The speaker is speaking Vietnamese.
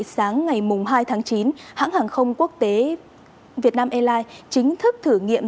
sáng ngày hai tháng chín hãng hàng không quốc tế vietnam airlines chính thức thử nghiệm